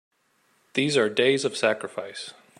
These are days of sacrifice!